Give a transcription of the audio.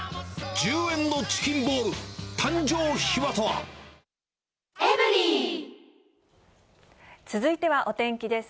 １０円のチキンボール、続いてはお天気です。